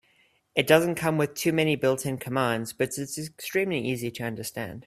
It doesn't come with too many built-in commands, but it's extremely easy to extend.